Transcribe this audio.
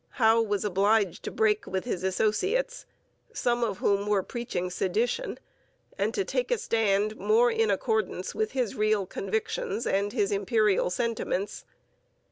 Howe was obliged to break with his associates, some of whom were preaching sedition, and to take a stand more in accordance with his real convictions and his Imperial sentiments.